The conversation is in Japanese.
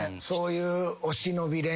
そういうお忍び